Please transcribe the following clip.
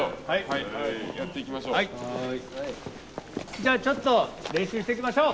じゃあちょっと練習していきましょう。